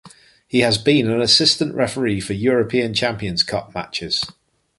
He has been an assistant referee for European Champions Cup matches.